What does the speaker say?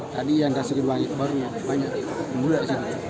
tadi yang kasih banyak